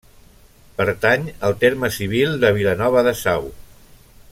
Pertany al terme civil de Vilanova de Sau.